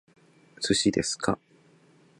寿司ですか？